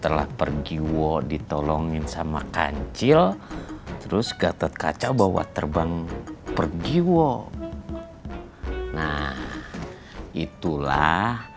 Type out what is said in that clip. telah pergi wo ditolongin sama kancil terus gatot kaca bawa terbang pergi wo nah itulah